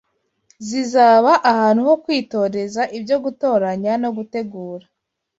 zizaba ahantu ho kwitoreza ibyo gutoranya no gutegura